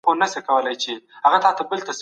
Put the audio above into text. دا له پېښو سره خورا دروغجن تعامل دی.